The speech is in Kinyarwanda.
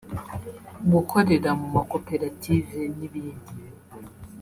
gukorera mu ma koperative n’ibindi